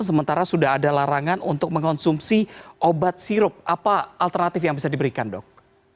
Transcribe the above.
sementara sudah ada larangan untuk mengonsumsi obat sirup apa alternatif yang bisa diberikan dok